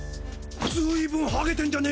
ずいぶんハゲてんじゃね